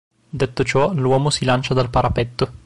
Detto ciò l'uomo si lancia dal parapetto.